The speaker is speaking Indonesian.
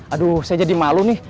aduh saya jadi malu nih